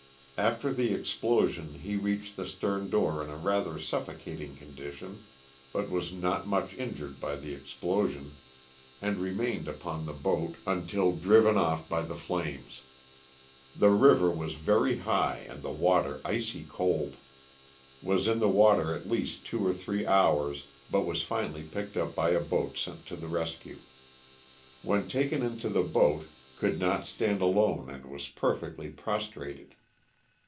After the explosion he reached the stern door in a rather suffocating condition, but was not much injured by the explosion, and remained upon the boat until 106 LOBS OF THE SULTANA. driven off by the flames. The river was very high and the water icy cold. Was in the water at least two or three hours, but was finally picked up by a boat sent to the rescue. When taken into the boat could not stand alone and was perfectly prostrated.